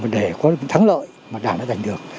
để có thắng lợi mà đh đã giành được